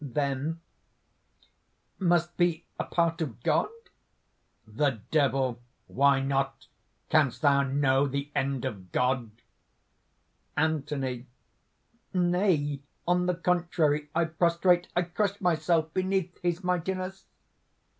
then, ... must be a part of God?" THE DEVIL. "Why not? Canst thou know the end of God?" ANTHONY. "Nay: on the contrary, I prostrate, I crush myself beneath his mightiness!"